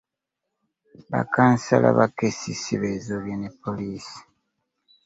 Ba kansala ba KCCA bezoobye ne poliisi.